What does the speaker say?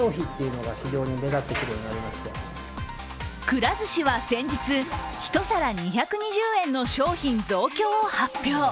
くら寿司は先日一皿２２０円の市品の増強を発表。